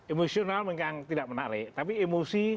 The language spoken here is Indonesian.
emosional yang tidak menarik tapi emosi